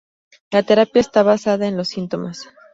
La terapia está basada en los síntomas.